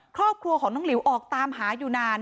ครอบครัวของน้องหลิวออกตามหาอยู่นาน